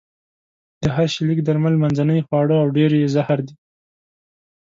د هر شي لږ درمل، منځنۍ خواړه او ډېر يې زهر دي.